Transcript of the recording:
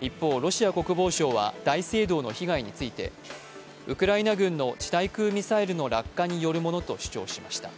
一方、ロシア国防省は大聖堂の被害についてウクライナ軍の地対空ミサイルの落下によるものと主張しました。